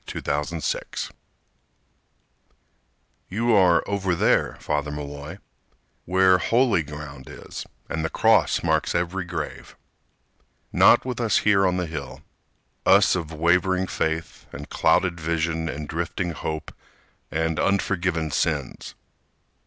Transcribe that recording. Father Malloy You are over there, Father Malloy, Where holy ground is, and the cross marks every grave, Not here with us on the hill— Us of wavering faith, and clouded vision And drifting hope, and unforgiven sins.